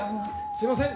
すいません